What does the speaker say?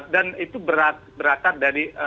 dan itu berasal dari